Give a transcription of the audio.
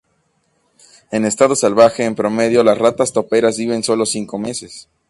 En estado salvaje, en promedio las ratas toperas viven solo cinco meses.